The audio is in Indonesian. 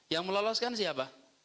yang meloloskan siapa